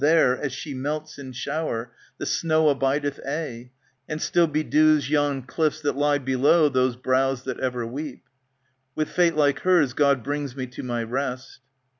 There, as she melts in shower, The snow abideth aye, •"^ And still bedews yon cliiFs that lie below Those brows that ever weep. With fate like hers God brings me to my rest.